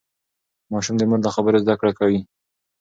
ماشوم د مور له خبرو زده کړه کوي.